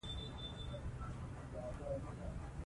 زمرد د افغانستان په طبیعت کې مهم رول لري.